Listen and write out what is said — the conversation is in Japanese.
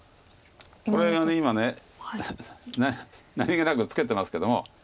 これが今何気なくツケてますけども。